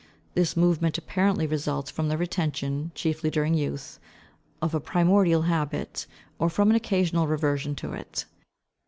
This movement apparently results from the retention, chiefly during youth, of a primordial habit, or from an occasional reversion to it.